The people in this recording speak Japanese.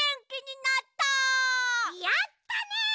やったね！